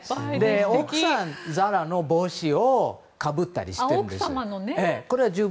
奥さん、ザラの帽子をかぶったりしてるんです。